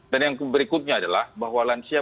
dan yang berikutnya adalah bahwa lansia